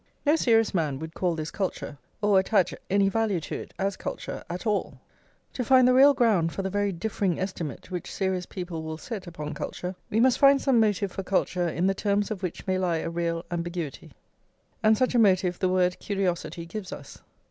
No serious man would call this culture, or attach any value to it, as culture, at all. To find the real ground for the very differing estimate which serious people will set upon culture, we must find some motive for culture in the terms of which may lie a real ambiguity; and such a motive the word curiosity gives us.